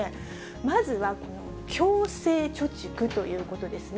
まずは強制貯蓄ということですね。